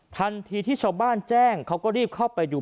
ทันทีที่ชาวบ้านแจ้งเขาก็รีบเข้าไปดู